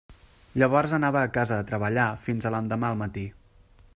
Llavors anava a casa a treballar fins a l'endemà al matí.